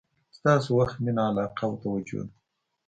ستاسو وخت، مینه، علاقه او توجه ده.